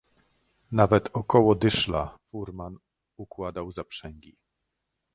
"Nawet około dyszla furman układał zaprzęgi."